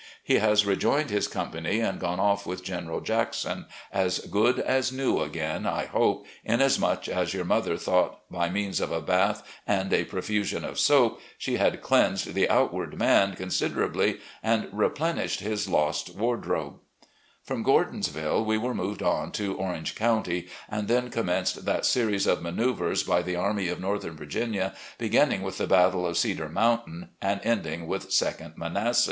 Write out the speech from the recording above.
He has rejoined his company and gone off with General Jackson, as good as new again, I hope, inasmuch as your mother thought, by means of a bath and a profusion of soap, she had cleansed the out ward man considerably, and replenished his lost ward robe," From Gordonsville we were moved on to Orange County, and then commenced that series of manoeuvres by the Army of Northern Virginia, beginning with the battle of Cedar Mountain and ending with second Manassas.